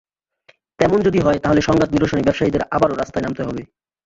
তেমন যদি হয়, তাহলে সংঘাত নিরসনে ব্যবসায়ীদের আবারও রাস্তায় নামতে হবে।